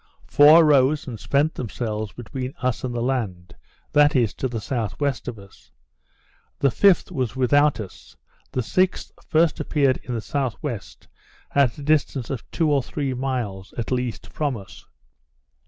Four rose and spent themselves between us and the land; that is, to the south west of us, the fifth was without us, the sixth first appeared in the south west, at the distance of two or three miles at least from us.